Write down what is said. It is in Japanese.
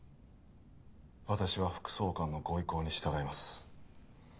私は副総監のご意向に従います